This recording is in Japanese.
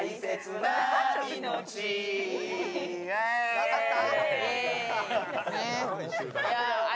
分かった？